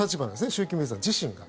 習近平さん自身が。